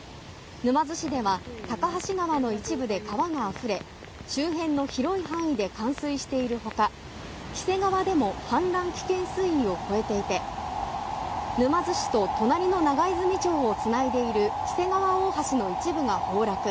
沼津市では高橋川の一部で川があふれ周辺の広い範囲で冠水しているほか黄瀬川でも氾濫危険水位を超えていて沼津市と隣の長泉町をつないでいる木曽川大橋の一部が崩落。